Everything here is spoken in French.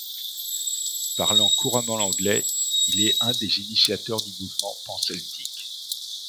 Parlant couramment l'anglais, il est un des initiateurs du mouvement panceltique.